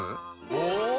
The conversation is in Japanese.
お！